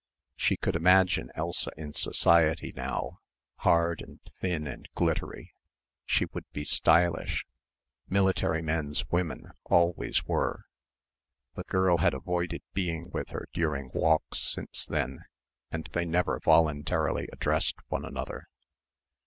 She could imagine Elsa in society now hard and thin and glittery she would be stylish military men's women always were. The girl had avoided being with her during walks since then, and they never voluntarily addressed one another.